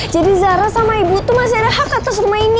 jadi zara sama ibu tuh masih ada hak atas rumah ini